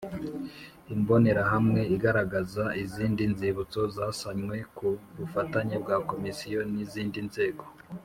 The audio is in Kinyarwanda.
Imbonerahamwe igaragaza izindi nzibutso zasanwe ku bufatanye bwa Komisiyo n’ izindi nzego